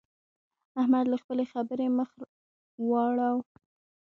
احمد له خپلې خبرې مخ واړاوو.